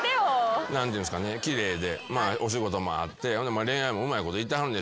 何ていうんですかね奇麗でお仕事もあって恋愛もうまいこといってはるんでしょう。